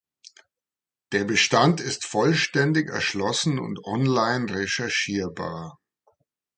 Der Bestand ist vollständig erschlossen und online recherchierbar.